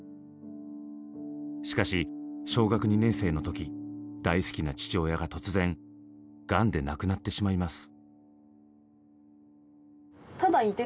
しかし小学２年生の時大好きな父親が突然がんで亡くなってしまいます。